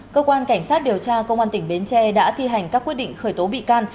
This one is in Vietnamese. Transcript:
cơ quan cảnh sát điều tra công an tỉnh bến tre đã thi hành các quyết định khởi tố bị can